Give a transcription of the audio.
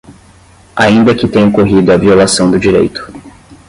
ainda que tenha ocorrido a violação do direito.